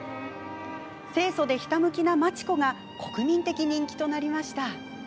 清そでひたむきな真知子が国民的な人気となりました。